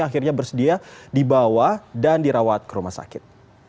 akhirnya bersedia dibawa dan dirawat ke rumah sakit